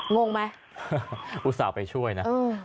งงไหมอุตส่าห์ไปช่วยนะ